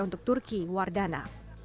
untuk turki wardana